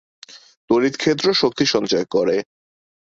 তড়িৎ ক্ষেত্র শক্তি সঞ্চয় করে।